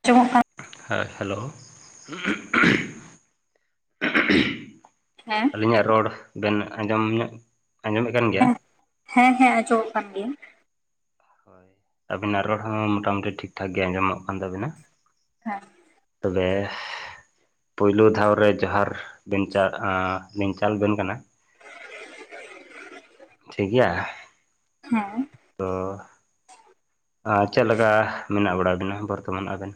[unintelligible] ᱦᱮᱸ ᱦᱮᱞᱳ [unintelligible] ᱦᱮᱸ ᱾ ᱟᱹᱞᱤᱧᱟᱜ ᱨᱚᱲ ᱵᱮᱱ ᱟᱸᱡᱚᱢ ᱧᱚᱜ ᱟᱸᱡᱚᱢᱮᱫ ᱠᱟᱱ ᱜᱮᱭᱟ? ᱦᱮᱸ ᱦᱮᱸ ᱟᱡᱚᱜᱚᱜ ᱠᱟᱱ ᱜᱤᱭᱟ᱾ ᱟᱹᱵᱤᱱᱟᱜ ᱨᱚᱲ ᱦᱚᱸ ᱢᱚᱴᱟᱢᱩᱴᱤ ᱴᱷᱤᱠᱴᱷᱟᱠ ᱜᱮ ᱟᱸᱡᱚᱢᱚᱜ ᱠᱟᱱ ᱛᱟᱵᱤᱱᱟ ᱾ ᱦᱮᱸ ᱾ ᱛᱚᱵᱮᱻ ᱾ ᱯᱩᱭᱞᱩ ᱫᱷᱟᱣ ᱨᱮ ᱡᱟᱦᱟᱨ ᱵᱮᱱ ᱪᱟᱞ [unintelligible] ᱟᱸ ᱞᱤᱝ ᱪᱟᱞᱵᱮᱱ ᱠᱟᱱᱟ ᱾ ᱴᱷᱤᱠ ᱜᱮᱭᱟ? ᱦᱮᱸ ᱾ [unintelligible] ᱟ ᱪᱮᱫ ᱞᱮᱠᱟ ᱢᱮᱱᱟᱜ ᱵᱟᱲᱟ ᱵᱤᱱᱟ ᱵᱚᱨᱛᱚᱢᱟᱱ ᱟᱵᱮᱱ?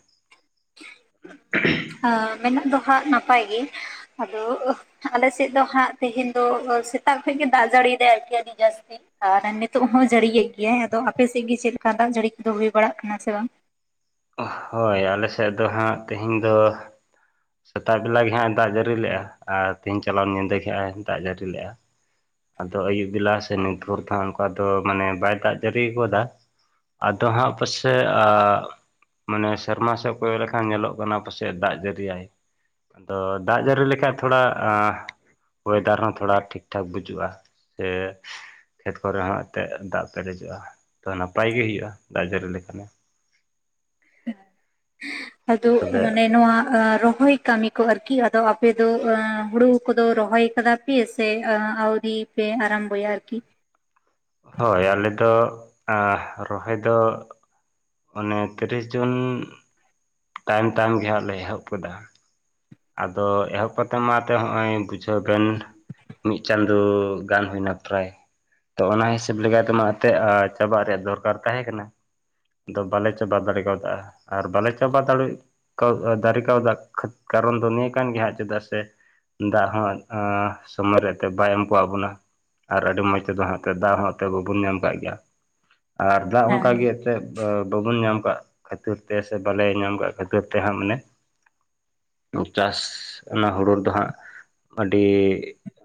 ᱟ ᱢᱮᱱᱟᱜ ᱫᱚ ᱦᱟᱸᱜ ᱱᱟᱯᱟᱭ ᱜᱮ, ᱟᱫᱚ ᱟᱞᱮ ᱥᱮᱫ ᱫᱚ ᱦᱟᱸᱜ ᱛᱮᱦᱮᱧ ᱫᱚ ᱥᱮᱛᱟᱜ ᱠᱷᱚᱡ ᱜᱮ ᱫᱟᱜ ᱡᱟᱹᱲᱤ ᱫᱟᱭ ᱟᱨᱠᱤ ᱟᱹᱰᱤ ᱡᱟᱹᱥᱛᱤ ᱾ ᱟᱨ ᱱᱤᱛᱚᱜ ᱦᱚᱸ ᱡᱟᱹᱲᱤᱭᱮᱫ ᱜᱮᱭᱟᱭ᱾ ᱟᱫᱚ ᱟᱯᱮ ᱥᱮᱜ ᱜᱮ ᱪᱮᱫ ᱞᱮᱠᱟ ᱫᱟᱜ ᱡᱟᱹᱲᱤ ᱠᱚᱫᱚ ᱦᱩᱭ ᱵᱟᱲᱟᱜ ᱠᱟᱱᱟ ᱥᱮ ᱵᱟᱝ? ᱦᱳᱭ ᱟᱞᱮ ᱥᱮᱫ ᱫᱚ ᱦᱟᱸᱜ ᱛᱮᱦᱮᱧ ᱫᱚ ᱥᱮᱛᱟᱜ ᱵᱮᱞᱟ ᱜᱮ ᱦᱟᱸᱜ-ᱮ ᱫᱟᱜ ᱡᱟᱹᱨᱤ ᱞᱮᱜᱼᱟ ᱟᱨ ᱛᱮᱦᱮᱧ ᱪᱟᱞᱟᱣᱮᱱ ᱧᱤᱫᱟᱹ ᱜᱮ ᱦᱟᱸᱜ-ᱮ ᱫᱟᱜ ᱡᱟᱹᱨᱤ ᱞᱮᱜᱼᱟ ᱾ ᱟᱫᱚ ᱟᱭᱭᱩᱵ ᱵᱮᱞᱟ ᱥᱮ ᱱᱤᱛ ᱵᱷᱳᱨ ᱫᱚ ᱚᱱᱠᱟ ᱫᱚ ᱢᱟᱱᱮ ᱵᱟᱭ ᱫᱟᱜ ᱡᱟᱹᱤᱣ ᱟᱠᱟᱫᱟ ᱾ ᱟᱫᱚ ᱦᱟᱸᱜ ᱯᱟᱥᱮ ᱟᱸ ᱢᱟᱱᱮ ᱥᱮᱨᱢᱟ ᱥᱮᱫ ᱠᱚᱭᱚᱜ ᱞᱮᱠᱷᱟᱱ ᱧᱮᱞᱚᱜ ᱠᱟᱱᱟ ᱯᱟᱥᱮᱡ ᱫᱟᱜ ᱡᱟᱹᱲᱤᱭᱟᱭ᱾ ᱟᱫᱚ ᱫᱟᱜ ᱡᱟᱹᱨᱤ ᱞᱮᱠᱷᱟᱡ ᱛᱷᱚᱲᱟ ᱮᱸ ᱚᱭᱮᱫᱟᱨ ᱦᱚᱸ ᱛᱷᱚᱲᱟ ᱴᱦᱤᱠ-ᱴᱷᱟᱠ ᱵᱩᱡᱩᱜᱼᱟ, ᱥᱮ ᱠᱷᱮᱛ ᱠᱚᱨᱮ ᱦᱚᱸ ᱮᱱᱛᱮᱜ ᱫᱟᱜ ᱯᱮᱨᱮᱡᱚᱜ-ᱟ ᱛᱚ ᱱᱟᱯᱟᱭ ᱜᱮ ᱦᱩᱭᱩᱜ-ᱟ ᱫᱟᱜ ᱡᱟᱹᱲᱤ ᱞᱮᱠᱷᱟᱱᱮ᱾ [inaudible] ᱟᱫᱚ ᱛᱚᱵᱮ ᱢᱟᱱᱮ ᱱᱚᱣᱟ ᱨᱚᱦᱚᱭ ᱠᱟᱹᱢᱤ ᱠᱚ ᱟᱨᱠᱤ ᱟᱫᱚ ᱟᱯᱮ ᱫᱚ ᱮᱸ ᱦᱩᱲᱩ ᱠᱚᱫᱚ ᱨᱚᱦᱚᱭ ᱠᱟᱫᱟ ᱯᱮ ᱥᱮ ᱟᱣᱨᱤ ᱯᱮ ᱟᱨᱟᱢᱵᱚᱭᱟ ᱟᱨᱠᱤ? ᱦᱳᱭ ᱟᱞᱮ ᱫᱚ ᱮᱸ ᱨᱚᱦᱚᱭ ᱫᱚ ᱚᱱᱮ ᱛᱤᱨᱤᱥ ᱡᱩᱱ ᱛᱟᱭᱚᱢ ᱛᱟᱭᱚᱢ ᱜᱮ ᱦᱟᱸᱜ ᱞᱮ ᱮᱦᱚᱵ ᱠᱮᱫᱟ᱾ ᱟᱫᱚ ᱮᱦᱚᱵ ᱠᱟᱛᱮ ᱢᱟ ᱛᱚ ᱦᱚᱸᱜ-ᱚᱭ ᱵᱩᱡᱷᱟᱹᱣ ᱵᱮᱱ ᱢᱤᱫ ᱪᱟᱸᱫᱳ ᱜᱟᱱ ᱦᱩᱭᱮᱱᱟ ᱯᱨᱟᱭ ᱛᱚ ᱚᱱᱟ ᱦᱤᱥᱟᱹᱵᱽ ᱞᱮᱠᱟᱛᱮ ᱢᱟ ᱮᱱᱛᱮᱫ ᱪᱟᱵᱟᱜ ᱨᱮᱭᱟᱜ ᱫᱚᱨᱠᱟᱨ ᱛᱟᱦᱮᱸ ᱠᱟᱱᱟ᱾ ᱟᱫᱚ ᱵᱟᱞᱮ ᱪᱟᱵᱟ ᱫᱟᱲᱮ ᱠᱟᱣᱫᱟ ᱟᱨ ᱵᱟᱞᱮ ᱪᱟᱵᱟ ᱫᱟᱲᱮ ᱠᱟᱣ ᱫᱟᱲᱮ ᱠᱟᱣᱫᱟ ᱠᱟᱨᱚᱱ ᱫᱚ ᱱᱤᱭᱟᱹ ᱠᱟᱱ ᱜᱮᱭᱟ ᱦᱟᱸᱜ ᱪᱮᱫᱟᱜ ᱥᱮ ᱫᱟᱜ ᱦᱚᱸ ᱮᱸᱻ ᱥᱚᱢᱚᱭ ᱨᱮ ᱮᱛᱮᱜ ᱵᱟᱭ ᱮᱢ ᱠᱟᱣᱟᱜ ᱵᱚᱱᱟ᱾ ᱟᱨ ᱟᱹᱰᱤ ᱢᱚᱡᱽ ᱛᱮᱫᱚ ᱦᱟᱜ ᱛᱮ ᱫᱟᱜ ᱦᱚᱸ ᱦᱚᱸᱛᱮ ᱵᱟᱵᱚᱱ ᱧᱟᱢ ᱠᱟᱜ ᱜᱮᱭᱟ᱾ᱱ [inaudible] ᱟᱨ ᱫᱟᱜ ᱦᱮᱸ ᱚᱱᱠᱟ ᱜᱮ [unintelligible] ᱵᱟᱵᱚᱱ ᱧᱟᱢ ᱠᱟᱜ ᱠᱷᱟᱹᱛᱤᱨ ᱛᱮ ᱥᱮ ᱵᱟᱞᱮ ᱧᱟᱢ ᱠᱟᱜ ᱠᱷᱟᱹᱛᱤᱨ ᱛᱮ ᱦᱟᱸᱜ ᱢᱟᱱᱮ ᱪᱟᱥ ᱚᱱᱟ ᱦᱩᱲᱩ ᱫᱚ ᱦᱟᱸᱜ ᱟᱹᱰᱤ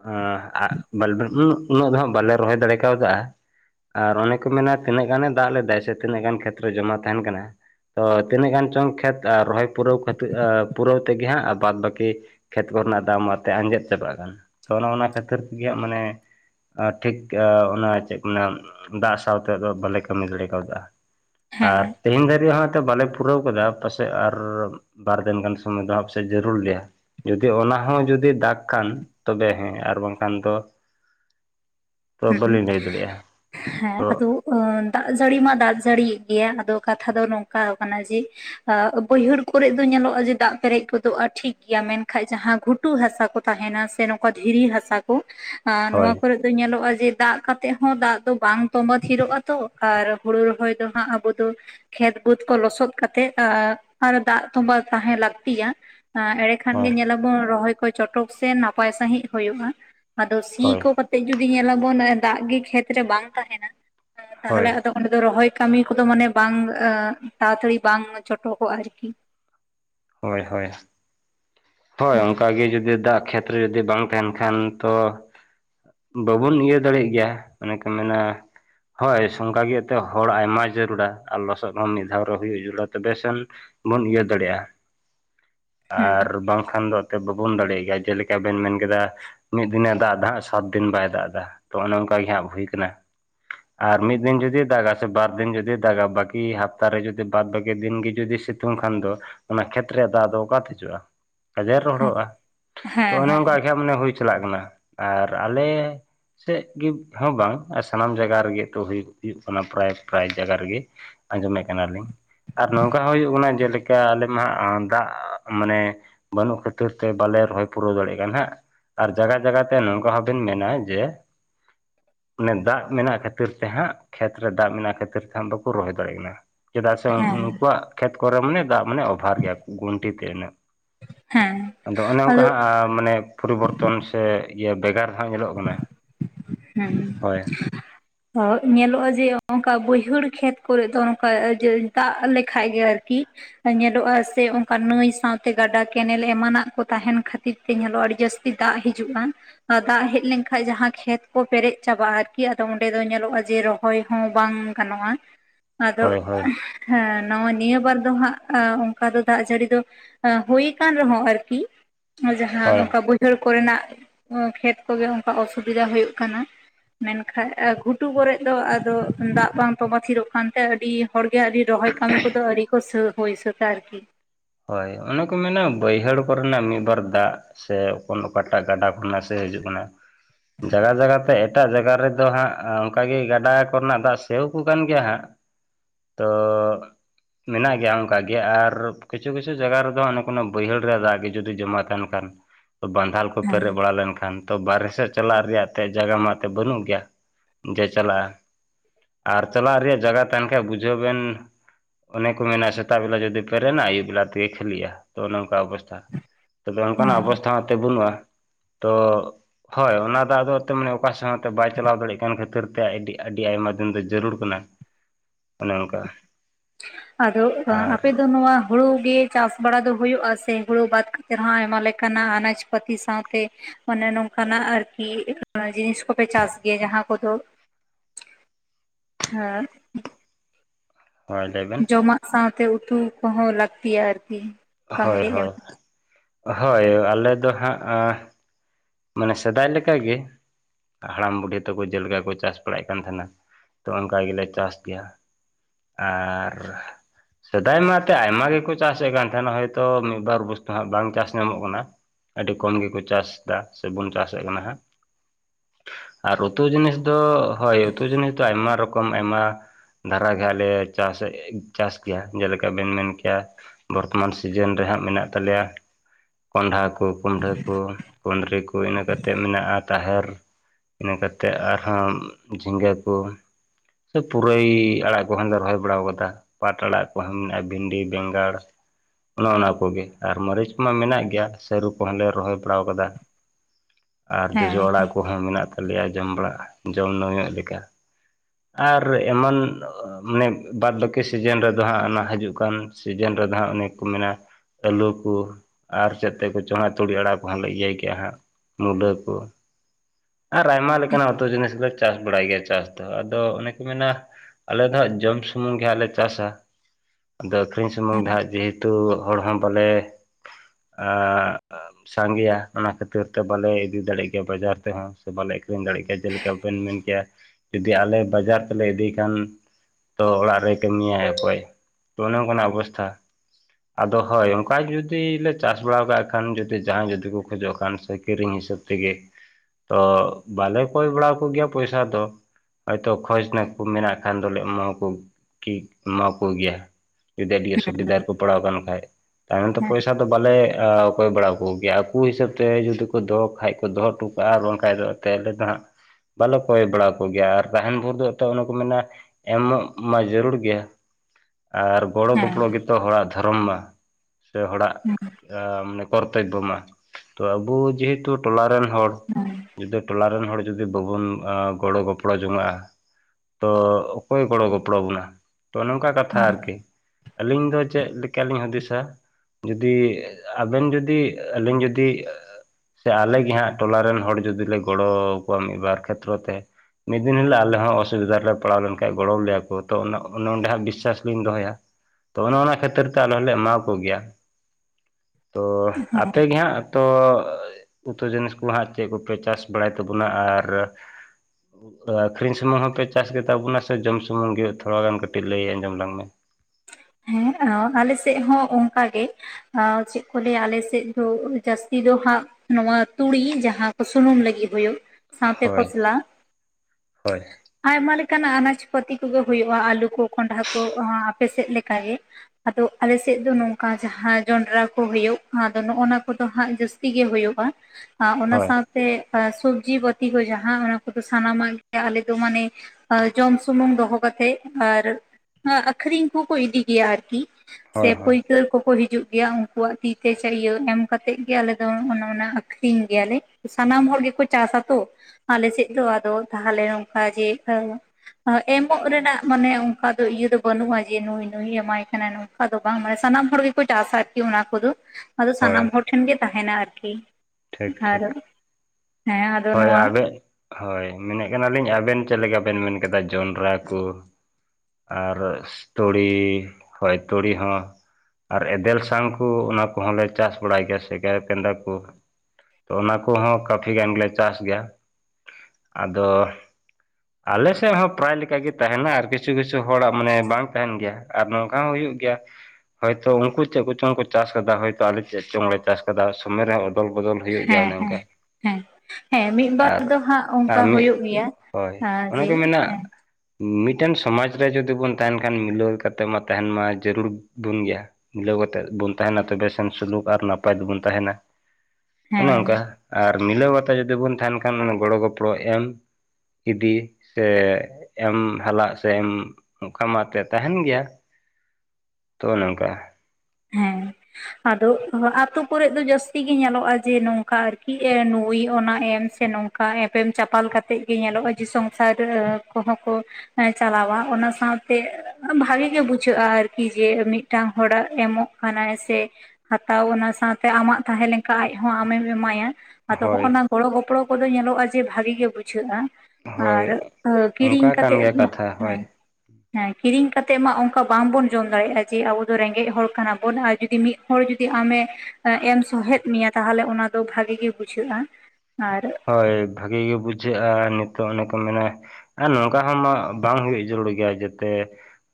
ᱦᱟᱸ ᱟᱜ [unintelligible] ᱩᱱᱟᱹᱜ ᱫᱚ ᱦᱟᱸᱜ ᱵᱟᱞᱮ ᱨᱚᱦᱚᱭ ᱫᱟᱲᱮ ᱠᱟᱣᱫᱟ᱾ ᱟᱨ ᱚᱱᱮ ᱠᱚ ᱢᱮᱱᱟ ᱛᱤᱱᱟᱹᱜ ᱜᱟᱱᱮ ᱫᱟᱜ ᱞᱮᱫᱟᱭ ᱥᱮ ᱛᱤᱱᱟᱹᱜ ᱜᱟᱱ ᱠᱷᱮᱛ ᱨᱮ ᱡᱚᱢᱟ ᱛᱟᱦᱮᱱ ᱠᱟᱱᱟ ᱾ ᱛᱚ ᱛᱤᱱᱟᱹᱜ ᱜᱟᱱ ᱪᱚᱝ ᱠᱷᱮᱛ ᱟᱨ ᱨᱚᱦᱚᱭ ᱯᱩᱨᱟᱹᱣ ᱠᱷᱟᱹᱛ ᱟ ᱯᱩᱨᱟᱹᱣ ᱛᱮᱜᱮ ᱦᱟᱸᱜ ᱵᱟᱫ ᱵᱟᱹᱠᱤ ᱠᱷᱮᱛ ᱠᱚᱨᱮᱱᱟᱜ ᱫᱟᱜ ᱢᱟ ᱮᱛᱮᱫ ᱟᱸᱡᱮᱫ ᱪᱟᱵᱟᱜ ᱠᱟᱱᱟ ᱾ ᱛᱚ ᱚᱱᱮ ᱚᱱᱟ ᱠᱷᱟᱹᱛᱤᱨ ᱛᱮᱜᱮ ᱢᱟᱱᱮ ᱴᱷᱤᱠ ᱚᱱᱟ ᱪᱮᱫ ᱠᱚ ᱢᱮᱱᱟ ᱫᱟᱜ ᱥᱟᱶᱛᱮ ᱫᱚ ᱵᱟᱞᱮ ᱠᱟᱹᱢᱤ ᱫᱟᱲᱮ ᱠᱟᱣᱫᱟ ᱾ ᱦᱮᱸ ᱟᱨ ᱛᱮᱦᱮᱧ ᱫᱷᱟᱹᱨᱤᱡ ᱵᱟᱞᱮ ᱯᱩᱨᱟᱹᱣ ᱠᱟᱫᱟ ᱯᱟᱥᱮᱡ ᱟᱨ ᱵᱟᱨ ᱫᱤᱱ ᱜᱟᱱ ᱥᱚᱢᱚᱭ ᱫᱚ ᱦᱟᱜ ᱯᱟᱥᱮᱫ ᱡᱟᱹᱨᱩᱲ ᱜᱮᱭᱟ ᱾ ᱡᱩᱫᱤ ᱚᱱᱟ ᱦᱚᱸ ᱡᱩᱫᱤ ᱫᱟᱜ ᱠᱷᱟᱱ ᱛᱚᱵᱮ ᱦᱮᱸ ᱟᱨ ᱵᱟᱝᱠᱷᱟᱱ ᱫᱚ ᱛᱚ ᱦᱩᱸ ᱵᱟᱹᱞᱤᱧ ᱞᱟᱹᱭ ᱫᱟᱲᱮᱭᱟᱜ-ᱟ [inaudible] ᱛᱚ ᱚ ᱫᱟᱜ ᱡᱟᱹᱲᱤ ᱢᱟ ᱫᱟᱜ ᱡᱟᱹᱲᱤᱭᱮᱫ ᱜᱮᱭᱟ ᱟᱫᱚ ᱠᱟᱛᱷᱟ ᱫᱚ ᱱᱚᱝᱠᱟ ᱠᱟᱱᱟ ᱡᱮ ᱵᱟᱹᱭᱦᱟᱹᱲ ᱠᱚᱨᱮᱜ ᱫᱚ ᱧᱮᱞᱚᱜ-ᱟ ᱡᱮ ᱫᱟᱜ ᱯᱮᱨᱮᱡ ᱜᱚᱫᱚᱜ-ᱟ ᱴᱷᱤᱠᱜᱮᱭᱟ ᱢᱮᱱᱠᱷᱟᱱ ᱡᱟᱦᱟᱸ ᱜᱷᱩ ᱴᱩ ᱦᱟᱥᱟ ᱠᱚ ᱛᱟᱦᱮᱱᱟ ᱥᱮ ᱱᱚᱝᱠᱟ ᱫᱷᱤᱨᱤ ᱦᱟᱥᱟ ᱠᱚ ᱦᱳᱭ ᱱᱚᱣᱟ ᱠᱚᱨᱮ ᱫᱚ ᱧᱮᱞᱚᱜ-ᱟ ᱡᱮ ᱫᱟᱜ ᱠᱟᱛᱮᱜ ᱦᱚᱸ ᱫᱟᱜ ᱫᱚ ᱵᱟᱝ ᱛᱚᱢᱟ ᱛᱷᱤᱨᱚᱜ-ᱟ ᱛᱚ ᱾ ᱟᱨ ᱦᱩᱲᱩ ᱨᱚᱦᱚᱭ ᱫᱚ ᱦᱟᱸᱜ ᱟᱵᱚ ᱫᱚ ᱠᱷᱮᱛ ᱵᱟᱹᱫᱽ ᱠᱚ ᱞᱚᱥᱚᱫ ᱠᱟᱛᱮᱜ ᱟᱨ ᱫᱟᱜ ᱛᱚᱸᱵᱟ ᱛᱟᱦᱮᱸ ᱞᱟᱹᱠᱛᱤᱭᱟ ᱮᱸᱰᱮ ᱠᱷᱟᱱ ᱜᱮ ᱦᱳᱭ ᱧᱮᱞ ᱟᱵᱚᱱ ᱨᱚᱦᱚᱭ ᱠᱚ ᱪᱚᱴᱚᱠ ᱥᱮ ᱱᱟᱯᱟᱭ ᱥᱟᱺᱦᱤᱡ ᱦᱳᱭᱳᱜ-ᱟ᱾ ᱟᱫᱚ ᱥᱤ ᱦᱳᱭ ᱠᱚ ᱠᱟ ᱛᱮᱫ ᱡᱩᱫᱤ ᱧᱮᱞᱟᱵᱚᱱ ᱫᱟᱜ ᱜᱮ ᱠᱷᱮᱛ ᱨᱮ ᱵᱟᱝ ᱛᱟᱦᱮᱱᱟ ᱾ [inaudible] ᱦᱳᱭ ᱛᱟᱦᱚᱞᱮ ᱟᱫᱚ ᱚᱸᱰᱮ ᱫᱚ ᱨᱚᱦᱚᱭ ᱠᱟᱹᱢᱤ ᱠᱚᱫᱚ ᱢᱟᱱᱮ ᱵᱟᱝ ᱛᱟᱲᱟᱛᱟᱲᱤ ᱵᱟᱝ ᱪᱚᱴᱚᱜᱚᱜ-ᱟ ᱟᱨᱠᱤ ᱾ ᱦᱳᱭ ᱦᱳᱭ ᱾ ᱦᱳᱭ ᱦᱮᱸ ᱚᱱᱠᱟᱜᱮ ᱡᱩᱫᱤ ᱫᱟᱜ ᱠᱷᱮᱛᱨᱮ ᱡᱩᱫᱤ ᱵᱟᱝ ᱛᱟᱦᱮᱱ ᱠᱷᱟᱱ ᱛᱚ ᱵᱟᱵᱚᱱ ᱤᱭᱟᱹ ᱫᱟᱲᱮᱭᱟᱜ ᱜᱮᱭᱟ ᱚᱱᱮ ᱠᱚ ᱢᱮᱱᱟ ᱦᱳᱭ [unintelligible] ᱮᱛᱮᱫ ᱦᱚᱲ ᱟᱭᱢᱟ ᱡᱟᱹᱨᱩᱲᱟ ᱟᱨ ᱞᱚᱥᱚᱫ ᱦᱚᱸ ᱢᱤᱫ ᱫᱷᱟᱣ ᱨᱮ ᱦᱩᱭᱩᱜ ᱡᱟᱹᱨᱩᱲᱟ ᱛᱚᱵᱮ ᱥᱮᱱ ᱵᱚᱱ ᱤᱭᱟᱹ ᱫᱟᱲᱮᱭᱟᱜ-ᱟ᱾ [inaudible] ᱟᱨ ᱵᱟᱝᱠᱷᱟᱱ ᱫᱚ ᱮᱱᱛᱮᱫ ᱵᱟᱵᱚᱱ ᱫᱟᱲᱮᱭᱟᱜ ᱜᱮᱭᱟ ᱡᱮᱞᱮᱠᱟ ᱵᱮᱱ ᱢᱮᱱ ᱠᱮᱫᱟ ᱢᱤᱫ ᱫᱤᱱ ᱮ ᱫᱟᱜ ᱮᱫᱟ ᱦᱟᱸᱜ ᱥᱟᱛ ᱫᱤᱱ ᱵᱟᱭ ᱫᱟᱜ ᱮᱫᱟ, ᱛᱚ ᱚᱱᱮ ᱚᱱᱠᱟ ᱜᱮ ᱦᱟᱸᱜ ᱦᱩᱭ ᱠᱟᱱᱟ ᱾ ᱟᱨ ᱢᱤᱫ ᱫᱤᱱ ᱡᱩᱫᱤ ᱫᱟᱜᱟ ᱥᱮ ᱵᱟᱨ ᱫᱤᱱ ᱡᱩᱫᱤ ᱫᱟᱜᱟ ᱵᱟᱹᱠᱤ ᱦᱟᱯᱛᱟ ᱨᱮ ᱡᱩᱫᱤ ᱵᱟᱫᱽ ᱵᱟᱹᱠᱤ ᱫᱤᱱ ᱜᱮ ᱡᱩᱫᱤ ᱥᱤ ᱛᱩᱝ ᱠᱷᱟᱱ ᱫᱚ ᱚᱱᱟ ᱠᱷᱮᱛ ᱨᱮᱭᱟᱜ ᱫᱟᱜ ᱫᱚ ᱚᱠᱟ ᱛᱮ ᱦᱤᱡᱩᱜ-ᱟ ᱾ ᱠᱟᱡᱟᱠ ᱨᱚᱦᱚᱲᱚᱜ-ᱟ ᱛᱚ ᱦᱮᱸ ᱚᱱᱮ ᱦᱮᱸ ᱚᱱᱠᱟ ᱜᱮ ᱦᱟᱜ ᱢᱟᱱᱮ ᱦᱩᱭ ᱪᱟᱞᱟᱜ ᱠᱟᱱᱟ ᱾ ᱟᱨ ᱟᱞᱮ ᱥᱮᱫ ᱜᱮ ᱦᱚᱸ ᱵᱟᱝ ᱟᱨ ᱥᱟᱱᱟᱢ ᱡᱟᱭᱜᱟ ᱨᱮᱜᱮ ᱛᱚ ᱦᱩᱭᱩᱜ ᱦᱩᱭᱩᱜ ᱠᱟᱱᱟ ᱯᱨᱟᱭ ᱯᱨᱟᱭ ᱡᱟᱭᱜᱟ ᱨᱮᱜᱮ ᱾ ᱟᱸᱡᱚᱢᱮᱫ ᱠᱟᱱᱟᱞᱤᱧ ᱾ ᱟᱨ ᱱᱚᱝᱠᱟ ᱦᱚᱸ ᱦᱩᱭᱩᱜ ᱠᱟᱱᱟ ᱡᱮᱞᱮᱠᱟ ᱟᱞᱮ ᱢᱟ ᱦᱟᱸᱜ ᱫᱟᱜ ᱢᱟᱱᱮ ᱵᱟᱹᱱᱩᱜ ᱠᱷᱟᱹᱛᱤᱨ ᱛᱮ ᱵᱟᱞᱮ ᱨᱚᱦᱚᱭ ᱯᱩᱨᱟᱹᱣ ᱫᱟᱲᱮᱭᱟᱜ ᱠᱟᱱ ᱦᱟᱸᱜ ᱾ ᱟᱨ ᱡᱟᱜᱟ ᱡᱟᱜᱟ ᱛᱮ ᱱᱚᱝᱠᱟ ᱦᱚᱸᱵᱤᱱ ᱢᱮᱱᱼᱟ ᱡᱮ ᱢᱟᱱᱮ ᱫᱟᱜ ᱢᱮᱱᱟᱜ ᱠᱷᱟᱹᱛᱤᱨ ᱛᱮ ᱦᱟᱸᱜ ᱠᱷᱮᱛ ᱨᱮ ᱫᱟᱜ ᱢᱮᱱᱟᱜ ᱠᱷᱟᱹᱛᱤᱨ ᱛᱮ ᱦᱟᱸᱜ ᱵᱟᱠᱚ ᱨᱚᱦᱚᱭ ᱫᱟᱲᱮᱭᱟᱜ ᱠᱟᱱᱟ᱾ ᱪᱮᱫᱟᱜ ᱥᱮ ᱩᱱ ᱦᱮᱸ ᱩᱱᱠᱩᱣᱟᱜ ᱠᱷᱮᱛ ᱠᱚᱨᱮ ᱢᱟᱱᱮ ᱫᱟᱜ ᱢᱟᱱᱮ ᱚᱵᱷᱟᱨ ᱜᱮᱭᱟ, ᱜᱩᱱᱴᱷᱤ ᱛᱮ ᱤᱱᱟᱹᱜ᱾ ᱦᱮᱸ᱾ ᱟᱫᱚ ᱚᱱᱮ ᱚᱸᱠᱟ ᱦᱟᱸᱜ ᱟᱸ ᱢᱟᱱᱮ ᱯᱷᱚᱨᱤᱵᱚᱨᱛᱚᱱ ᱥᱮ ᱤᱭᱟᱹ ᱵᱮᱜᱟᱨ ᱦᱟᱸᱜ ᱧᱮᱞᱚᱜ ᱠᱟᱱᱟ᱾ ᱦᱩᱸ, ᱦᱳᱭ ᱦᱚᱭᱼᱜ ᱧᱮᱞᱚᱜᱼᱟ ᱡᱮ ᱚᱝᱠᱟ ᱵᱟᱹᱭᱦᱟᱹᱲ ᱠᱷᱮᱛ ᱠᱚᱨᱮᱜ ᱫᱚ ᱱᱚᱝᱠᱟ ᱟᱹᱡᱟᱹ ᱫᱟᱜ ᱞᱮᱠᱷᱟᱡ ᱜᱮ ᱟᱨᱠᱤ ᱧᱮᱞᱚᱜᱼᱟ ᱥᱮ ᱚᱱᱠᱟ ᱱᱟᱹᱭ ᱥᱟᱶᱛᱮ ᱜᱟᱰᱟ ᱠᱮᱱᱮᱞ ᱮᱢᱟᱱᱟᱜ ᱠᱚ ᱛᱟᱦᱮᱱ ᱠᱷᱟᱹᱛᱤᱨ ᱛᱮ ᱧᱮᱞᱚᱜᱼᱟ ᱟᱹᱰᱤ ᱡᱟᱹᱥᱛᱤ ᱫᱟᱜ ᱦᱤᱡᱩᱜᱼᱟ ᱟᱨ ᱫᱟᱜ ᱦᱮᱡ ᱞᱮᱝᱠᱷᱟᱡ ᱡᱟᱦᱟᱸ ᱠᱷᱮᱛ ᱠᱚ ᱯᱮᱨᱮᱡ ᱪᱟᱵᱟᱜᱼᱟ ᱟᱨᱠᱤ ᱟᱫᱚ ᱚᱸᱰᱮ ᱫᱚ ᱧᱮᱞᱚᱜᱼᱟ ᱡᱮ ᱨᱚᱦᱚᱭ ᱦᱚᱸ ᱵᱟᱝ ᱜᱟᱱᱚᱜᱼᱟ, ᱟᱫᱚᱻᱜ ᱦᱳᱭ ᱦᱳᱭ ᱦᱮᱸ ᱱᱚᱜᱼᱚᱭ ᱱᱤᱭᱟᱹ ᱵᱟᱨ ᱫᱚ ᱦᱟᱸᱜ ᱮᱸ ᱚᱸᱠᱟ ᱫᱚ ᱫᱟᱜ ᱡᱟᱹᱲᱤ ᱫᱚ ᱮᱸ ᱦᱩᱭ ᱠᱟᱱ ᱨᱮᱦᱚᱸ ᱟᱨᱠᱤ ᱟᱸ ᱡᱟᱦᱟᱸ ᱦᱳᱭ ᱚᱱᱠᱟ ᱵᱟᱹᱭᱦᱟᱹᱲ ᱠᱚᱨᱮᱱᱟᱜ ᱩᱸ ᱠᱷᱮᱛ ᱠᱚᱜᱮ ᱚᱱᱠᱟ ᱚᱥᱩᱵᱤᱫᱷᱟ ᱦᱩᱭᱩᱜ ᱠᱟᱱᱟ, ᱢᱮᱱᱠᱷᱟᱻᱡᱼᱟ ᱜᱷᱩᱴᱩ ᱠᱚᱨᱮᱫ ᱫᱚ ᱟᱫᱚ ᱫᱟᱜ ᱵᱟᱝ ᱛᱚᱸᱵᱟ ᱛᱷᱤᱨᱳᱜ ᱠᱷᱟᱱ ᱛᱮ ᱟᱹᱰᱤ ᱦᱚᱲ ᱜᱮ ᱟᱹᱰᱤ ᱨᱚᱦᱚᱭ ᱠᱟᱹᱢᱤ ᱠᱚᱫᱚ ᱟᱹᱣᱨᱤ ᱠᱚ ᱥᱟᱹ ᱦᱩᱭ ᱥᱟᱹᱛᱼᱟ ᱟᱨᱠᱤ᱾ ᱦᱳᱭ ᱚᱱᱮ ᱠᱚ ᱢᱮᱱᱟ ᱵᱟᱹᱭᱦᱟᱹᱲ ᱠᱚᱨᱮᱱᱟᱜ ᱢᱤᱫ ᱵᱟᱨ ᱫᱟᱜ, ᱥᱮ ᱚᱠᱳᱱ ᱚᱠᱟᱴᱟᱜ ᱜᱟᱰᱟ ᱠᱷᱚᱱ ᱱᱟᱥᱮ ᱦᱤᱡᱩᱜ ᱠᱟᱱᱟ, ᱡᱟᱜᱟ ᱡᱟᱜᱟ ᱛᱮ ᱮᱴ- ᱴᱟᱜ ᱡᱟᱜᱟ ᱨᱮᱫᱚ ᱦᱟᱸᱜ ᱮᱸ ᱚᱸᱠᱟᱜᱮ ᱜᱟᱰᱟ ᱠᱚᱨᱮᱱᱟᱜ ᱫᱟᱜ ᱥᱮᱣ ᱠᱚ ᱠᱟᱱ ᱜᱮᱭᱟ ᱦᱟᱸᱜ᱾ ᱛᱚ ᱢᱮᱱᱟᱜ ᱜᱮᱭᱟ ᱚᱸᱠᱟ ᱜᱮ ᱟᱨ ᱠᱤᱪᱷᱩ ᱠᱤᱪᱷᱩ ᱡᱟᱜᱟ ᱨᱮᱫᱚ ᱦᱟᱸᱜ ᱚᱱᱟ ᱠᱚᱱᱳ ᱵᱟᱹᱭᱦᱟᱹᱲ ᱨᱮᱭᱟᱜ ᱫᱟᱜ ᱜᱮ ᱡᱩᱫᱤ ᱡᱚᱢᱟ ᱛᱟᱦᱮᱱ ᱠᱷᱟᱱ, ᱟᱫᱚ ᱵᱟᱸᱫᱷᱟᱞ ᱠᱩ ᱯᱮ ᱨᱮ ᱵᱟᱲᱷᱟᱣ ᱞᱮᱱᱠᱷᱟᱱ ᱛᱚ ᱵᱟᱨᱦᱮ ᱥᱮᱫ ᱪᱟᱞᱟᱜ ᱨᱮᱭᱟᱜ ᱮᱛᱮᱦ ᱡᱟᱜᱟ ᱢᱟ ᱮᱛᱮᱫ ᱵᱟᱹᱱᱩᱜᱼᱟ ᱜᱮᱭᱟ ᱡᱮ ᱪᱟᱞᱟᱜᱼᱟ, ᱟᱨ ᱪᱟᱞᱟᱜ ᱨᱮᱭᱟᱜ ᱡᱟᱜᱟ ᱛ ᱠᱟᱱ ᱠᱷᱟᱡ ᱵᱩᱡᱷᱟᱹᱣ ᱵᱮᱱ ᱚᱱᱮ ᱠᱚ ᱢᱮᱱᱟ ᱥᱮᱛᱟᱜ ᱵᱮᱞᱟ ᱡᱩᱫᱤ ᱯᱮᱨᱮᱱ, ᱟᱹᱭᱩᱵ ᱵᱮᱞᱟ ᱛᱮᱜᱮ ᱠᱷᱟᱹᱞᱤᱜᱼᱟ ᱾ ᱛᱚ ᱚᱱᱮ ᱚᱱᱠᱟ ᱚᱵᱚᱥᱛᱷᱟ, ᱛᱚᱵᱮ ᱚᱸᱠᱟᱱᱟᱜ ᱦᱮᱸ ᱚᱵᱚᱥᱛᱷᱟ ᱦᱚᱸ ᱛᱟᱭ ᱵᱟᱹᱱᱩᱜᱼᱟ ᱾ ᱛᱚ ᱦᱳᱭ ᱚᱱᱟ ᱫᱚ ᱟᱫᱚ ᱮᱱᱛᱮᱫ ᱢᱟᱱᱮ ᱚᱠᱟ ᱥᱮᱫ ᱦᱚᱸ ᱵᱟᱭ ᱪᱟᱞᱟᱣ ᱫᱟᱲᱮᱜ ᱠᱟᱱ ᱠᱷᱟᱹᱛᱤᱨ ᱛᱮ ᱟᱹᱰᱤ ᱟᱹᱰᱤ ᱟᱭᱢᱟ ᱫᱤᱱ ᱫᱚ ᱡᱟᱹᱨᱩᱲ ᱠᱟᱱᱟ, [unintelligible] ᱚᱱᱮ ᱚᱸᱠᱟ᱾ ᱟᱫᱚᱜ ᱩᱸ ᱟᱯᱮ ᱫᱚ ᱱᱚᱣᱟ ᱦᱩᱲᱩ ᱜᱮ ᱪᱟᱥ ᱵᱟᱲᱟ ᱫᱚ ᱦᱩᱭᱩᱜᱼᱟ, ᱥᱮ ᱦᱩᱲᱩ ᱵᱟᱫᱽ ᱠᱟᱛᱮ ᱨᱮᱦᱚᱸ ᱟᱭᱢᱟ ᱞᱮᱠᱟᱱᱟᱜ ᱟᱱᱟᱡᱽ ᱯᱟᱹᱛᱤ ᱥᱟᱶᱛᱮ ᱚᱱᱮ ᱱᱚᱝᱠᱟᱱᱟᱜ ᱟᱨᱠᱤ ᱚᱱᱟ ᱡᱤᱱᱤᱥ ᱠᱚᱯᱮ ᱪᱟᱥ ᱜᱮᱭᱟ ᱡᱟᱦᱟᱸ ᱠᱚᱫᱚ ᱦᱮᱸ, ᱦᱳᱭ ᱞᱟᱹᱭ ᱵᱮᱱ? ᱡᱚᱢᱟᱜ ᱥᱟᱶᱛᱮ ᱩᱛᱩ ᱠᱚᱦᱚᱸ ᱞᱟᱹᱠᱛᱤᱭᱟ ᱟᱨᱠᱤ ᱾ ᱦᱳᱭ ᱦᱳᱭ, ᱦᱳᱭ ᱟᱞᱮ ᱫᱚ ᱦᱟᱸᱜ ᱟᱸ ᱢᱟᱱᱮ ᱥᱮᱫᱟᱭ ᱞᱮᱠᱟ ᱜᱮ, ᱦᱟᱲᱟᱢ ᱵᱩᱰᱷᱤ ᱛᱮᱠᱚ ᱡᱮᱞᱮᱠᱟ ᱠᱚ ᱪᱟᱥ ᱵᱟᱲᱟᱭᱮᱫ ᱠᱟᱱ ᱛᱟᱦᱮᱸᱱᱟ, ᱛᱚ ᱚᱱᱠᱟ ᱜᱮᱞᱮ ᱪᱟᱥ ᱜᱮᱭᱟ ᱾ ᱟᱨ ᱥᱮᱫᱟᱭ ᱢᱟ ᱮᱱᱛᱮᱜ ᱟᱭᱢᱟ ᱜᱮᱠᱚ ᱪᱟᱥᱼᱮᱫ ᱠᱟᱱ ᱛᱟᱦᱮᱸᱱ, ᱦᱚᱭᱛᱳ ᱢᱤᱫ ᱵᱟᱨ ᱵᱚᱥ ᱛᱚ ᱦᱟᱸᱜ ᱵᱟᱝ ᱪᱟᱥ ᱧᱟᱢᱚᱜ ᱠᱟᱱᱟ, ᱟᱹᱰᱤ ᱠᱚᱢ ᱜᱮᱠᱚ ᱪᱟᱥᱼᱮᱫᱟ ᱥᱮᱵᱚᱱ ᱪᱟᱥ ᱮᱜ ᱠᱟᱱᱟ ᱦᱟᱸᱜ ᱾ ᱟᱨ ᱩᱛᱩ ᱡᱤᱱᱤᱥ ᱫᱚ ᱦᱳᱭ ᱩᱛᱩ ᱡᱤᱱᱤᱥ ᱫᱚ ᱟᱭᱢᱟ ᱨᱚᱠᱚᱢ ᱟᱭᱢᱟ ᱫᱷᱟᱨᱟ ᱜᱮ ᱦᱟᱸᱜ ᱞᱮ ᱪᱟᱥᱼᱮᱜ, ᱪᱟᱥ ᱜᱮᱭᱟ ᱡᱮᱞᱮᱠᱟ ᱵᱮᱱ ᱢᱮᱱ ᱠᱮᱭᱟ ᱵᱚᱨᱛᱚᱢᱟᱱ ᱥᱤᱡᱮᱱ ᱨᱮ ᱦᱟᱸᱜ ᱢᱮᱱᱟᱜ ᱛᱟᱞᱮᱭᱟ ᱠᱚᱸᱰᱷᱟ ᱠᱚ, ᱠᱩᱢᱰᱷᱟᱹ ᱠᱚ ᱾ ᱠᱩᱸᱰᱨᱤ ᱠᱚ, ᱤᱱᱟᱹ ᱠᱟᱛᱮᱫ ᱢᱮᱱᱟᱜᱼᱟ ᱛᱟᱦᱮᱨ, ᱤᱱᱟᱹ ᱠᱟᱛᱮᱜ, ᱟᱨᱦᱚᱸ ᱡᱷᱤᱸᱜᱟᱹ ᱠᱩ, ᱥᱮ ᱯᱩᱨᱟᱹᱭ ᱟᱲᱟᱜ ᱠᱚᱦᱚᱸ ᱞᱮ ᱨᱚᱦᱚᱭ ᱵᱟᱲᱟ ᱠᱟᱫᱟ ᱾ ᱯᱟᱴ ᱟᱲᱟᱜ ᱠᱚᱦᱚᱸ ᱢᱮᱱᱟᱜᱼᱟ, ᱵᱷᱤᱱᱰᱤ, ᱵᱮᱸᱜᱟᱲ, ᱚᱱᱮ ᱚᱱᱟ ᱠᱚᱜᱮ, ᱟᱨ ᱢᱟᱹᱨᱤᱪ ᱠᱚᱢᱟ ᱢᱮᱱᱟᱜ ᱜᱮᱭᱟ, ᱥᱟᱹᱨᱩ ᱠᱚᱦᱚᱸ ᱞᱮ ᱨᱚᱦᱚᱭ ᱵᱟᱲᱟ ᱟᱠᱟᱫᱟ ᱾ ᱟᱨ ᱡᱚᱡᱚ ᱦᱮᱸ ᱟᱲᱟᱜ ᱠᱚᱦᱚᱸ ᱢᱮᱱᱟᱜ ᱛᱟᱞᱮᱭᱟ, ᱡᱚᱢ ᱵᱟᱲᱟ ᱡᱚᱢ ᱱᱟᱹᱣᱟᱹᱭ ᱞᱮᱠᱟ ᱾ ᱟᱨ ᱮᱢᱚᱱ ᱢᱟᱱᱮ, ᱵᱟᱫᱽ ᱵᱟᱹᱠᱤ ᱥᱤᱡᱤᱱ ᱨᱮᱫᱚ ᱦᱟᱸᱜ ᱚᱱᱟ ᱦᱤᱡᱩᱜ ᱠᱟᱱ ᱥᱤᱡᱮᱱ ᱨᱮᱫᱚ ᱦᱟᱸᱟᱜ, ᱚᱱᱮᱠ ᱠᱚ ᱢᱮᱱᱟ ᱟᱹᱞᱩ ᱠᱩ, ᱟᱨ ᱪᱮᱫ ᱛᱮᱫ ᱠᱚᱪᱚ ᱦᱟᱜ ᱛᱩᱲᱤ ᱟᱲᱟᱜ ᱠᱚᱦᱚᱸ ᱞᱮ ᱤᱭᱟᱹᱭ ᱠᱮ ᱠᱮᱦᱟᱸᱟᱜ ᱢᱩᱞᱟᱹ ᱠᱩ, ᱟᱨ ᱟᱭᱢᱟ ᱞᱮᱠᱟᱱᱟᱜ ᱩᱛᱩ ᱡᱤᱱᱤᱥ ᱞᱮ ᱪᱟᱥ ᱵᱟᱲᱟᱭ ᱜᱮᱭᱟ ᱪᱟᱥ ᱫᱚ, ᱟᱫᱚ ᱚᱱᱮ ᱠᱚ ᱢᱮᱱᱟ ᱟᱞᱮ ᱫᱚᱦᱟᱸᱜ ᱡᱚᱢ ᱥᱩᱢᱩᱝ ᱜᱮ ᱦᱟᱸᱜ ᱞᱮ ᱪᱟᱥᱟ, ᱟᱫᱚ ᱟᱹᱠᱷᱨᱤᱧ ᱥᱩᱢᱩᱝ ᱫᱚ ᱦᱟᱸᱜ ᱡᱮᱦᱮᱛᱩ ᱦᱚᱲ ᱦᱚᱸ ᱵᱚᱞᱮ ᱟᱻ ᱥᱟᱸᱜᱮᱭᱟ, ᱚᱱᱟ ᱠᱷᱟᱹᱛᱤᱨ ᱛᱮ ᱵᱟᱞᱮ ᱤᱫᱤ ᱫᱟᱲᱮᱜ ᱜᱮᱭᱟ ᱵᱟᱡᱟᱨ ᱛᱮᱦᱚᱸ, ᱥᱮ ᱵᱟᱞᱮ ᱟᱹᱠᱷᱨᱤᱧ ᱫᱟᱲᱮᱜ ᱜᱮᱭᱟ, ᱡᱮᱞᱮᱠᱟ ᱵᱮᱱ ᱢᱮᱱ ᱠᱮᱭᱟ ᱾ ᱡᱩᱫᱤ ᱟᱞᱮ, ᱵᱟᱡᱟᱨ ᱛᱮᱞᱮ ᱤᱫᱤᱭ ᱠᱷᱟᱱ ᱛᱚ ᱚᱲᱟᱜ ᱨᱮᱭ ᱠᱟᱹᱢᱤᱭᱟᱭ ᱚᱠᱚᱭ, ᱛᱚ ᱚᱱᱮ ᱚᱱᱠᱟᱱᱟᱜ ᱚᱵᱚᱥᱛᱷᱟ ᱾ ᱟᱫᱚ ᱦᱳᱭ ᱚᱱᱠᱟ ᱡᱩᱫᱤ ᱞᱮ ᱪᱟᱥ ᱵᱟᱲᱟ ᱠᱟᱜ ᱠᱷᱟᱱ, ᱡᱩᱫᱤ ᱡᱟᱦᱟᱸᱭ ᱡᱩᱫᱤ ᱠᱚ ᱠᱷᱚᱡᱚᱜ ᱠᱟᱱ ᱥᱮ, ᱠᱤᱨᱤᱧ ᱦᱤᱥᱟᱹᱵ ᱛᱮᱜᱮ ᱛᱚ ᱵᱟᱞᱮ ᱠᱚᱭ ᱵᱟᱲᱟ ᱠᱚᱜᱮᱭᱟ, ᱯᱚᱭᱥᱟ ᱫᱚ ᱾ ᱦᱚᱭᱛᱚ ᱠᱷᱡᱽ ᱨᱮᱱᱟᱜ ᱠᱚ ᱢᱮᱱᱟᱜ ᱠᱷᱟᱱ ᱫᱚᱞᱮ, ᱮᱢᱟᱠᱚ ᱠᱤ ᱮᱢᱟᱠᱚᱜᱮᱭᱟ᱾ ᱡᱩᱫᱤ ᱟᱹᱰᱤ ᱚᱥᱩᱵᱤᱫᱷᱟ ᱨᱮᱠᱚ ᱯᱟᱲᱟᱣ ᱟᱠᱟᱱ ᱠᱷᱟᱡ, ᱛᱟᱭᱚᱢ ᱛᱮ ᱦᱮᱸ ᱯᱚᱭᱥᱟ ᱫᱚ ᱵᱟᱞᱮ ᱠᱚᱭ ᱵᱟᱲᱟ ᱠᱚ ᱜᱮᱭᱟ ᱾ ᱠᱩ ᱦᱤᱥᱟᱹᱵᱽ ᱛᱮ ᱡᱩᱫᱤ ᱠᱚ ᱫᱚᱦᱚ ᱠᱷᱟᱡ ᱠᱚ ᱫᱚᱦᱚ ᱦᱚᱴᱚ ᱠᱟᱜᱼᱟ, ᱟᱨ ᱵᱟᱝᱠᱷᱟ ᱫᱚ ᱮᱱᱛᱮᱫ ᱟᱞᱮᱫᱚ ᱦᱟᱸᱜ ᱵᱟᱞᱮ ᱠᱚᱭ ᱵᱟᱲᱟ ᱠᱚ ᱜᱮᱭᱟ, ᱟᱨ ᱛᱟᱦᱮᱱ ᱵᱷᱳᱨ ᱫᱚ ᱮᱛᱚ ᱚᱱᱟ ᱠᱚ ᱢᱮᱱᱟ ᱮᱢᱚᱜ ᱢᱟ ᱡᱟᱹᱨᱩᱲ ᱜᱮᱭᱟ᱾ ᱟᱨ ᱜᱚᱲᱚ ᱦᱮᱸ ᱜᱚᱯᱚᱲᱚ ᱜᱮᱛᱚ ᱦᱚᱲᱟᱜ ᱫᱷᱚᱨᱚᱢ ᱢᱟ᱾ ᱥᱮ ᱦᱚᱲᱟᱜ ᱢᱟᱱᱮ ᱠᱚᱨᱛᱚᱵᱵᱚ ᱢᱟ᱾ ᱛᱚ ᱟᱵᱚ ᱡᱮᱦᱮᱛᱩ ᱴᱚᱞᱟ ᱨᱮᱱ ᱦᱚᱲ, ᱦᱮᱸ᱾ ᱡᱩᱫᱤ ᱴᱚᱞᱟ ᱨᱮᱱ ᱦᱚᱲ ᱡᱩᱫᱤ ᱵᱟᱵᱚᱱ, ᱟ ᱜᱚᱲᱚ ᱜᱚᱯᱚᱲᱚ ᱡᱚᱱᱟᱜᱼᱟ ᱛᱚ ᱚᱠᱚᱭ ᱜᱚᱲᱚ ᱜᱚᱯᱲᱚ ᱵᱚᱱᱟ᱾ ᱛᱚ ᱚᱱᱮ ᱚᱱᱠᱟᱱ ᱠᱟᱛᱷᱟ ᱟᱨᱠᱤ᱾ ᱟᱞᱤᱧ ᱫᱚ ᱪᱮᱫ ᱞᱮᱠᱟᱞᱤᱧ ᱦᱩᱫᱤᱥᱟ, ᱡᱩᱫᱤ ᱟᱵᱮᱱ ᱡᱩᱫᱤ ᱟᱞᱤᱧ ᱡᱩᱫ ᱡᱩᱫᱤ ᱥᱮ ᱟᱞᱮ ᱜᱮ ᱦᱟᱸᱜ, ᱴᱚᱞᱟ ᱨᱮᱱ ᱦᱚᱲ ᱡᱩᱫᱤ ᱞᱮ ᱜᱚᱲᱚ ᱠᱚᱣᱟ ᱢᱤᱜ ᱵᱟᱨ ᱠᱷᱮᱛᱨᱚ ᱛᱮ, ᱢᱤᱫ ᱫᱤᱱ ᱦᱤᱞᱳᱜ ᱟᱞᱮ ᱦᱚᱸ ᱚᱥᱩᱵᱤᱫᱷᱟ ᱨᱮᱞᱮ ᱯᱟᱲᱟᱣ ᱞᱮᱱᱠᱷᱟᱡ ᱜᱚᱲᱚ ᱞᱮᱭᱟ ᱠᱚ, ᱛᱚ ᱚᱱᱮ ᱚᱸᱰᱮ ᱦᱟᱸᱜ ᱵᱤᱥᱥᱟᱥ ᱞᱤᱧ ᱫᱚᱦᱚᱭᱟ᱾ ᱛᱚ ᱚᱱᱮ ᱚᱱᱟ ᱠᱷᱟᱹᱛᱤᱨ ᱛᱮ ᱟᱞᱮ ᱦᱚᱸᱞᱮ ᱮᱢᱟᱣ ᱠᱚᱜᱮᱭᱟ᱾ ᱛᱚ ᱟᱯᱮ ᱜᱮ ᱦᱟᱸᱜ ᱚ ᱩᱛᱩ ᱡᱤᱱᱤᱥ ᱠᱚ ᱦᱟᱸᱜ ᱪᱮᱫ ᱠᱚᱯᱮ ᱪᱟᱥ ᱵᱟᱲᱟᱭ ᱛᱟᱵᱚᱱᱟ? ᱟᱨ ᱟᱹᱷᱨᱤᱧ ᱥᱩᱢᱩᱝ ᱦᱚᱸᱯᱮ ᱪᱟᱥ ᱜᱮᱛᱟ ᱵᱚᱱᱟ, ᱥᱮ ᱡᱚᱢ ᱥᱩᱢᱩᱝ ᱜᱮ ᱛᱷᱚᱲᱟ ᱜᱟᱱ ᱠᱟᱹᱴᱤᱡ ᱞᱟᱹᱭ ᱟᱸᱡᱚᱢ ᱞᱟᱝ ᱢᱮ᱾ ᱦᱮᱸ ᱚ ᱟᱞᱮ ᱥᱮᱫ ᱦᱚᱸ ᱚᱱᱠᱟᱜᱮ᱾ ᱟᱨ ᱪᱮᱫ ᱠᱚ ᱞᱟᱹᱭᱟ ᱟᱞᱮᱥᱮᱫ ᱫᱚ ᱡᱟᱹᱥᱛᱤ ᱫᱚ ᱦᱟᱸᱜ ᱱᱚᱣᱟ ᱛᱩᱲᱤ ᱡᱟᱦᱟᱸ ᱠᱚ ᱥᱩᱱᱩᱢ ᱞᱟᱹᱜᱤᱫ ᱦᱳᱭᱳᱜ ᱥᱟᱶᱛᱮ ᱦᱳᱭ ᱠᱷᱚᱥᱞᱟ, ᱦᱳᱭ ᱟᱭᱢᱟ ᱞᱮᱠᱟᱱᱟᱜ ᱟᱱᱟᱡ ᱯᱟᱹᱛᱤ ᱠᱚᱜᱮ ᱦᱩᱭᱩᱜᱼᱟ, ᱟᱞᱩ ᱠᱚ ᱠᱚᱸᱰᱷᱟ ᱠᱚ ᱟᱯᱮᱥᱮᱫ ᱞᱮᱠᱟ ᱜᱮ᱾ ᱟᱫᱚ ᱟᱞᱮᱥᱮᱫ ᱫᱚ ᱱᱚᱝᱠᱟ ᱡᱟᱦᱟᱸ ᱡᱚᱸᱱᱰᱨᱟ ᱠᱚ ᱦᱳᱭᱳᱜ, ᱟᱫᱚ ᱱᱚᱜ ᱚᱱᱟ ᱠᱚᱫᱚ ᱦᱟᱸᱜ ᱡᱟᱹᱥᱛᱤ, ᱡᱟᱥᱹᱛᱤ ᱜᱮ ᱦᱳᱭᱳᱜᱼᱟ᱾ ᱚᱱᱟ ᱦᱳᱭ ᱥᱟᱶ ᱥᱮ ᱥᱚᱵᱽᱡᱤ ᱯᱟᱹᱛᱤ ᱠᱚ ᱡᱟᱦᱟᱸ ᱚᱱᱟ ᱠᱚᱫᱚ ᱥᱟᱱᱟᱢᱟᱜ ᱜᱮ ᱟᱞᱮ ᱫᱚ ᱢᱟᱱᱮ, ᱡᱚᱢ ᱥᱩᱢᱩᱝ ᱫᱚᱦᱚ ᱠᱟᱛᱮᱜ ᱟᱨ ᱟᱠᱷ ᱟᱠᱷᱨᱤᱧ ᱠᱚᱠᱚ ᱤᱫᱤ ᱜᱮᱭᱟ ᱟᱨᱠᱤ, ᱦᱳᱭ ᱥᱮ ᱦᱳᱭ ᱯᱟᱹᱭ ᱠᱟᱹᱨ ᱠᱚᱠᱚ ᱦᱤᱡᱩᱜ ᱜᱮᱭᱟ᱾ ᱩᱱᱠᱩᱣᱟᱜ ᱛᱤ ᱛᱮ ᱤᱭᱟᱹ ᱮᱢ ᱠᱟᱛᱮᱜ ᱜᱮ ᱟᱞᱮ ᱫᱚ ᱚᱱᱮ ᱚᱱᱟ ᱟᱠᱷᱨᱤᱧ ᱜᱮᱭᱟᱞᱮ᱾ ᱥᱟᱱᱟᱢ ᱦᱚᱲ ᱜᱮᱠᱚ ᱪᱟᱥᱟ ᱛᱚ ᱟᱞᱮ ᱥᱮᱫ ᱫᱚ ᱟᱫᱚ ᱛᱟᱦᱞᱮ ᱚᱝᱠᱟ ᱡᱮ ᱮᱸ ᱟ ᱮᱢᱚᱜ ᱨᱮᱱᱟᱜ ᱢᱟᱱᱮ ᱚᱱᱠᱟ ᱫᱚ ᱤᱭᱟᱹ ᱫᱚ ᱵᱟᱹᱱᱩᱜᱼᱟ ᱡᱮ ᱱᱩᱭ-ᱱᱩᱭ ᱮᱢᱟᱭ ᱠᱟᱱᱟ ᱱᱚᱝᱠᱟ ᱫᱚ ᱵᱟᱝ ᱢᱟᱱᱮ ᱥᱟᱱᱟᱢ ᱦᱚᱲ ᱜᱮᱠᱚ ᱪᱟᱥᱟ ᱟᱨᱠᱤ ᱚᱱᱟ ᱠᱚᱫᱚ᱾ ᱟᱫᱚ ᱦᱳᱭ ᱥᱟᱱᱟᱢ ᱦᱚᱲ ᱴᱷᱮᱱ ᱜᱮ ᱛᱟᱦᱮᱱᱟ ᱟᱨᱠᱤ᱾ ᱴᱷᱤᱠ ᱟᱨ ᱴᱷᱤᱠ᱾ ᱦᱮᱸ ᱟᱫᱚ ᱦᱳᱭ ᱱᱚᱣᱟ ᱟᱵᱮᱱ ᱦᱳᱭ ᱢᱮᱱᱮᱜ ᱠᱟᱱᱟᱞᱤᱧ ᱟᱵᱮᱱ ᱪᱮᱜ ᱞᱮᱠᱟ ᱵᱮᱱ ᱢᱮᱱ ᱠᱮᱫᱟ ᱡᱚᱱᱰᱨᱟ ᱠᱚ ᱟᱨ ᱛᱩᱲᱤ ᱦᱳᱭ ᱛᱩᱲᱤ ᱦᱚᱸ ᱾ ᱟᱨ ᱮᱫᱮᱞ ᱥᱟᱝ ᱠᱚ ᱚᱱᱟ ᱠᱚᱦᱚᱸ ᱞᱮ ᱪᱟᱥ ᱵᱟᱲᱟᱭ ᱜᱮᱭᱟ ᱥᱮᱜᱮᱨ ᱠᱮᱸᱫᱟ ᱠᱚ᱾ ᱛᱚ ᱚᱱᱟ ᱠᱚᱦᱚᱸ ᱠᱟᱹᱯᱷᱤ ᱜᱟᱱ ᱜᱮᱞᱮ ᱪᱟᱥ ᱜᱮᱭᱟ ᱟᱫᱚ ᱟᱞᱮ ᱥᱮᱜ ᱦᱚᱸ ᱯᱨᱟᱭ ᱞᱮᱠᱟᱜᱮ ᱛᱟᱦᱮᱱᱟ ᱟᱨ ᱠᱤᱪᱷᱩ ᱠᱤᱪᱷᱩ ᱦᱚᱲᱟᱜ ᱢᱟᱱᱮ ᱵᱟᱝ ᱛᱟᱦᱮᱱ ᱜᱮᱭᱟ᱾ ᱟᱨ ᱱᱚᱝᱠᱟ ᱦᱚᱸ ᱦᱩᱭᱩᱜ ᱜᱮᱭᱟ ᱾ ᱦᱚᱭᱛᱚ ᱩᱱᱠᱩ ᱪᱮᱜ ᱠᱚᱪᱚᱝ ᱠᱚ ᱪᱟᱥ ᱠᱟᱫᱟ ᱦᱚᱭᱛᱚ ᱟᱞᱮ ᱪᱮᱜ ᱪᱚᱝ ᱞᱮ ᱪᱟᱥ ᱠᱟᱫᱟ ᱥᱚᱢᱚᱭ ᱨᱮ ᱚᱫᱚᱞ ᱵᱚᱫᱚᱞ ᱦᱩᱭᱩᱜ ᱜᱮᱭᱟ ᱦᱮᱸ ᱚᱱᱮ ᱦᱮᱸ ᱚᱱᱠᱟ᱾ ᱦᱮᱸ ᱦᱮᱸ ᱢᱤᱜ ᱵᱟᱨ ᱫᱚ ᱟᱨ ᱦᱟᱸᱜ ᱚᱱᱠᱟ ᱢᱤᱫ ᱦᱩᱭᱩᱜ ᱜᱮᱭᱟ᱾ ᱦᱳᱭ ᱦᱮᱸ ᱡᱮ ᱚᱱᱟᱜᱮ ᱢᱮᱱᱟ ᱦᱮᱸ ᱢᱤᱫᱴᱮᱱ ᱥᱚᱢᱟᱡᱽ ᱨᱮ ᱡᱩᱫᱤ ᱵᱚᱱ ᱛᱟᱦᱮᱱ ᱠᱷᱟᱱ ᱢᱤᱞᱟᱹᱣ ᱠᱟᱛᱮᱫ ᱢᱟ ᱛᱟᱦᱮᱱ ᱢᱟ ᱡᱟᱹᱨᱩᱲ ᱵᱩᱱ ᱜᱮᱭᱟ᱾ ᱢᱤᱞᱟᱹᱣ ᱠᱟᱛᱮᱫ ᱵᱚᱱ ᱛᱟᱦᱮᱱᱟ ᱛᱚᱵᱮ ᱥᱮᱱ ᱥᱩᱞᱩᱠ ᱟᱨ ᱱᱟᱯᱟᱭ ᱫᱚ ᱵᱚᱱ ᱛᱟᱦᱮᱱᱟ᱾ ᱚᱱᱮ ᱦᱮᱸ ᱚᱱᱠᱟ ᱟᱨ ᱢᱤᱞᱟᱹᱣ ᱠᱟᱛᱮ ᱡᱩᱫᱤ ᱵᱚᱱ ᱛᱟᱦᱮᱱ ᱠᱷᱟᱱ ᱜᱚᱲᱚ ᱜᱚᱯᱲᱚ ᱮᱢ ᱤᱫᱤ ᱥᱮ ᱮᱢ ᱦᱟᱞᱟᱜ ᱥᱮ ᱮᱢ ᱚᱱᱠᱟ ᱢᱟᱛᱮ ᱛᱟᱦᱮᱱ ᱜᱮᱭᱟ᱾ ᱛᱚ ᱚᱱᱮ ᱚᱱᱠᱟ ᱾ ᱦᱮᱸ᱾ ᱟᱫᱚ ᱟᱛᱳ ᱠᱚᱨᱮᱜ ᱫᱚ ᱡᱟᱹᱥᱛᱤ ᱜᱮ ᱧᱮᱞᱚᱜᱼᱟ ᱡᱮ ᱱᱚᱝᱠᱟ ᱟᱨᱠᱤ ᱮ ᱱᱩᱭ ᱚᱱᱟ ᱮᱢ ᱥᱮ ᱱᱚᱝ ᱠᱟ ᱮᱯᱮᱢ ᱪᱟᱯᱟᱞ ᱠᱟᱛᱮᱜ ᱜᱮ ᱧᱮᱞᱚᱜᱼᱟ ᱡᱮ ᱥᱚᱝᱥᱟᱨ ᱮ ᱠᱚᱦᱚᱸ ᱠᱚ ᱮᱸ ᱪᱟᱞᱟᱣᱟ ᱚᱱᱟ ᱥᱟᱶᱛᱮ ᱵᱷᱟᱹᱜᱤ ᱜᱮ ᱵᱩᱡᱷᱟᱹᱜᱼᱟ ᱟᱨᱠᱤ ᱡᱮ ᱢᱤᱫᱴᱟᱝ ᱦᱚᱲᱟᱜ ᱮᱢᱚᱜ ᱠᱟᱱᱟᱭ ᱥᱮ ᱦᱟᱛᱟᱣ ᱚᱱᱟ ᱥᱟᱶᱛᱮ ᱟᱢᱟᱜ ᱛᱟᱦᱮᱸ ᱞᱮᱱᱠᱷᱟᱡ ᱟᱡ ᱦᱚᱸ ᱟᱢᱮᱢ ᱮᱢᱟᱭᱟ᱾ ᱟᱫᱚ ᱦᱳᱭ ᱦᱚᱜᱱᱟ ᱜᱚᱲᱚ ᱜᱚᱯᱚᱲᱚ ᱠᱚᱫᱚ ᱧᱮᱞᱚᱜᱼᱟ ᱡᱮ ᱵᱷᱟᱹᱜᱤ ᱜᱮ ᱵᱩᱡᱷᱟᱹᱜᱼᱟ ᱾ ᱦᱳᱭ ᱟᱨ ᱮᱸ ᱚᱱᱠᱟ ᱠᱤᱨᱤᱧ ᱠᱟᱱ ᱠᱟᱛᱮᱫ ᱜᱮᱭᱟ ᱠᱟᱛᱷᱟ ᱦᱳᱭ ᱦᱮᱸ ᱦᱮᱸ ᱠᱤᱨᱤᱧ ᱠᱟᱛᱮᱜ ᱢᱟ ᱚᱱᱠᱟ ᱵᱟᱝᱵᱚᱱ ᱡᱚᱢ ᱫᱟᱲᱮᱭᱟᱜᱼᱟ ᱡᱮ ᱟᱵᱚ ᱫᱚ ᱨᱮᱸᱜᱮ ᱜᱮᱜ ᱦᱚᱲ ᱠᱟᱱᱟ ᱵᱚᱱ ᱟᱨ ᱡᱩᱫᱤ ᱢᱤᱫ ᱦᱚᱲ ᱡᱩᱫᱤ ᱟᱢᱮ ᱮ ᱮᱢ ᱥᱚᱦᱮᱫ ᱢᱮᱭᱟ ᱛᱟᱦᱚᱞᱮ ᱚᱱᱟ ᱫᱚ ᱵᱷᱟᱜᱮ ᱜᱮ ᱵᱩᱡᱷᱟᱹᱜᱼᱟ ᱟᱨ ᱦᱳᱭ ᱵᱷᱟᱜᱮ ᱜᱮ ᱵᱩᱡᱷᱟᱹᱜᱼᱟ ᱟᱨ ᱱᱤᱛᱚᱜ ᱚᱱᱮᱠᱚ ᱢᱮᱱᱟ ᱟᱨ ᱱᱚᱝᱠᱟᱱ ᱦᱚᱸ ᱢᱟ ᱵᱟᱝ ᱦᱩᱭᱩᱜ ᱡᱟᱹᱨᱩᱲ ᱜᱮᱭᱟ ᱡᱟᱛᱮ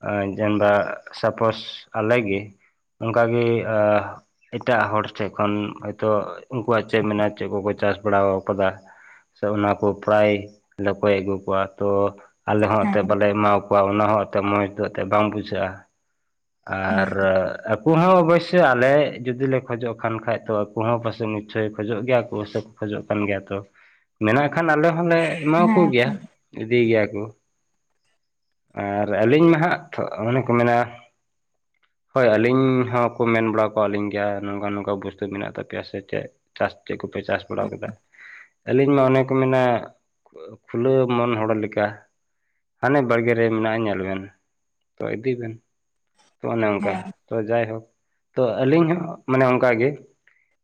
ᱟ ᱡᱮᱱᱵᱟ ᱥᱟᱯᱳᱥ ᱟᱞᱮ ᱜᱮ ᱚᱱᱠᱟᱜᱮ ᱟᱸ ᱮᱴᱟᱜ ᱦᱚᱲ ᱴᱷᱮᱱ ᱠᱷᱚᱱ ᱦᱚᱳ ᱛᱚ ᱩᱱᱠᱩᱣᱟᱜ ᱪᱮᱜ ᱢᱮᱱᱟᱜᱼᱟ ᱪᱮᱜ ᱠᱚ ᱠᱚ ᱪᱟᱥ ᱵᱟᱲᱟᱣ ᱠᱟᱫᱟ ᱥᱮ ᱚᱱᱟ ᱠᱚ ᱯᱨᱟᱭ ᱞᱟᱹᱯᱟᱹᱭ ᱟᱹᱜᱩ ᱠᱚᱣᱟ ᱛᱚ ᱟᱞᱮ ᱦᱚᱸ ᱦᱮᱸ ᱮᱛᱮᱫ ᱵᱟᱞᱮ ᱮᱢᱟᱣ ᱠᱚᱣᱟ ᱚᱱᱟ ᱦᱚᱸ ᱮᱛᱮᱫ ᱢᱚᱡ ᱫᱚ ᱮᱛᱮᱫ ᱵᱟᱝ ᱵᱩᱡᱷᱟᱹᱜᱼᱟ ᱾ ᱟᱨ ᱟᱯ ᱩᱱᱠᱩ ᱦᱚᱸ ᱚᱵᱚᱥᱥᱳᱭ ᱟᱞᱮ ᱡᱩᱫᱤ ᱞᱮ ᱠᱷᱚᱡᱚᱜ ᱠᱷᱟᱱ ᱠᱷᱟᱡ ᱛᱚ ᱟᱠᱚ ᱦᱚᱸ ᱯᱟᱥᱮᱡ ᱱᱤᱥᱪᱚᱭ ᱠᱷᱚᱡᱚᱜ ᱜᱮᱭᱟ ᱠᱚ ᱥᱮ ᱠᱚ ᱠᱷᱚᱡᱚᱜ ᱠᱟᱱ ᱜᱮᱭᱟ ᱛᱚ ᱢᱮᱱᱟᱜ ᱠᱷᱟᱱ ᱟᱞᱮ ᱦᱚᱸᱞᱮ ᱮᱢᱟ ᱦᱮᱸ ᱠᱚᱜᱮᱭᱟ ᱤᱫᱤᱭ ᱜᱮᱭᱟ ᱠᱚ ᱾ ᱟᱨ ᱟᱹᱞᱤᱧ ᱢᱟ ᱦᱟᱸᱜ ᱛᱷᱚ ᱚᱱᱮ ᱠᱚ ᱢᱮᱱᱟ ᱦᱳᱭ ᱟᱹᱞᱤᱧ ᱦᱚᱸᱠᱚ ᱢᱮᱱ ᱵᱟᱲᱟᱣ ᱠᱟᱜ ᱞᱤᱧ ᱜᱮᱭᱟ ᱱᱚᱝᱠᱟ ᱱᱚᱝᱠᱟ ᱵᱩᱥᱛᱩ ᱢᱮᱱᱟᱜ ᱛᱟᱯᱮᱭᱟ ᱥᱮ ᱪᱮᱜ ᱾ ᱪᱟᱥ ᱪᱮᱜ ᱠᱚᱯᱮ ᱪᱟᱥ ᱵᱟᱲᱟᱣ ᱠᱟᱫᱟ ᱾ ᱟᱹᱞᱤᱧ ᱢᱟ ᱚᱱᱮ ᱠᱚ ᱢᱮᱱᱟ ᱠᱷᱩᱞᱟᱹᱣ ᱢᱚᱱ ᱦᱚᱲ ᱞᱮᱠᱟ ᱾ ᱦᱟᱱᱮ ᱵᱟᱲᱜᱮ ᱨᱮ ᱢᱮᱱᱟᱜᱼᱟ ᱧᱮᱞ ᱵᱮᱱ ᱛᱚ ᱤᱫᱤᱭ ᱵᱮᱱ ᱾ ᱛᱚ ᱚᱱᱮ ᱦᱮᱸ ᱚᱱᱠᱟ ᱛᱚ ᱡᱟᱭᱦᱳᱠ ᱛᱚ ᱟᱹᱞᱤᱧ ᱦᱚᱸ ᱢᱟᱱᱮ ᱚᱱᱠᱟᱜᱮ ᱾